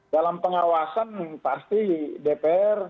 dalam pengawasan pasti dpr